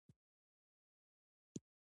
افغانستان کې لوگر د خلکو د خوښې وړ ځای دی.